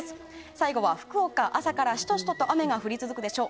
最後は福岡、朝からしとしとと雨が降り続くでしょう。